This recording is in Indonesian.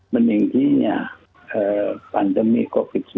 meningginya pandemi covid sembilan belas